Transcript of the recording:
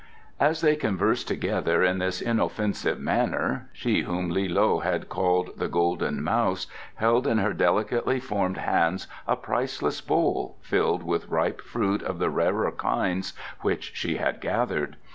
As they conversed together in this inoffensive manner she whom Li loe had called the Golden Mouse held in her delicately formed hands a priceless bowl filled with ripe fruit of the rarer kinds which she had gathered.